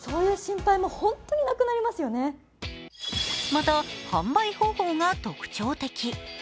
また、販売方法が特徴的。